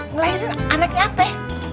ngelahirin anaknya apa ya